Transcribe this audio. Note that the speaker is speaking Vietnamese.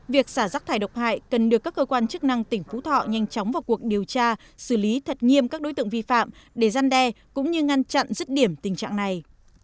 việc xả rác thải độc hại cần được các cơ quan chức năng tỉnh phú thọ nhanh chóng vào cuộc điều tra xử lý thật nghiêm các đối tượng vi phạm để gian đe cũng như ngăn chặn rứt điểm tình trạng này